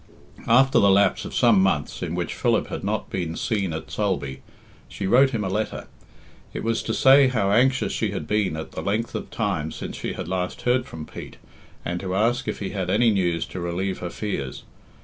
After the lapse of some months, in which Philip had not been seen at Sulby, she wrote him a letter. It was to say how anxious she had been at the length of time since she had last heard from Pete, and to ask if he had any news to relieve her fears.